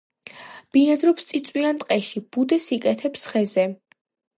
ბინადრობს წიწვიან ტყეში, ბუდეს იკეთებს ხეზე.